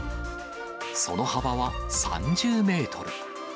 その幅は３０メートル。